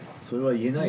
言えない。